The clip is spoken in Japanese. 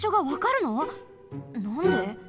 なんで？